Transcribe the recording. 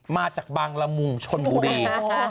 มาจากบางละมุงชนบุรี